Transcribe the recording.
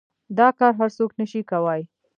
دا کار هر سوک نشي کواى.